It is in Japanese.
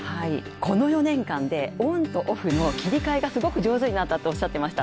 この４年間で、オンとオフの切り替えがすごく上手になったっておっしゃってました